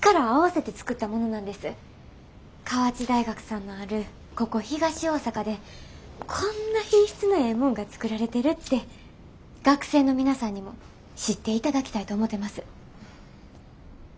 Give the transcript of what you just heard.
河内大学さんのあるここ東大阪でこんな品質のええもんが作られてるって学生の皆さんにも知っていただきたいと思うてます。